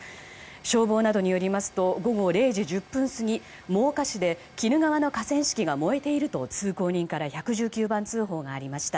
消防などによりますと午後０時１０分過ぎ真岡市で鬼怒川の河川敷が燃えていると通行人から１１９番通報がありました。